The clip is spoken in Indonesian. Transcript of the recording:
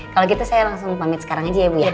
kalau gitu saya langsung pamit sekarang aja ya bu